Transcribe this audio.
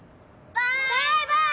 バイバーイ！